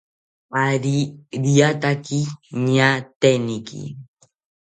Ari riataki ñaateniki